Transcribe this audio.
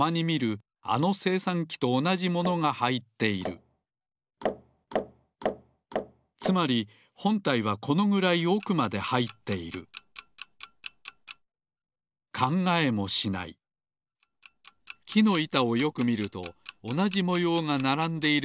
あのせいさんきとおなじものがはいっているつまりほんたいはこのぐらいおくまではいっているきのいたをよくみるとおなじもようがならんでいるものがある。